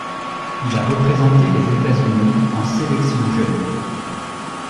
Il a représenté les États-Unis en sélections jeunes.